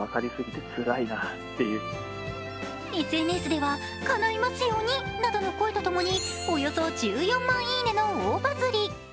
ＳＮＳでは、かないますようになどの声とともにおよそ１４万いいねの大バズり。